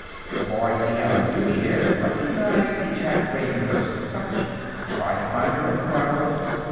The boys he had on duty there recognized the Jack Ravenhurst touch, and tried to find her in the crowd.